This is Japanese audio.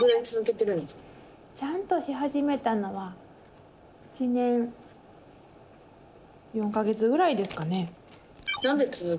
ちゃんとし始めたのは１年４か月ぐらいですかね。